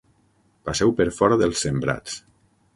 Passeu per fora dels sembrats.